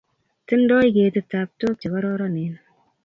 Tindoi ketit taptok che kororonen